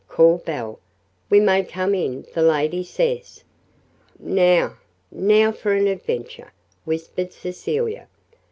called Belle. "We may come in the lady says." "Now now for an adventure!" whispered Cecilia.